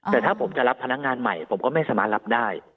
แต่ถ้าผมจะรับพนักงานใหม่ผมก็ไม่สามารถรับได้